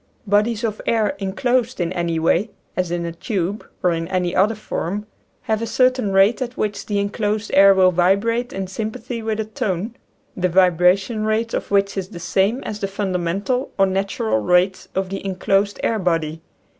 Bodies of air inclosed in any way, as in a tube, or in any other form, have a cer tain rate at which the inclosed air will vibrate in sympathy with a tone, the vibration rate of which is the same as the fundamental or natural rate of the inclosed air body.